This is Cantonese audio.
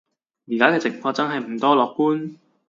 而家嘅情況真係唔多樂觀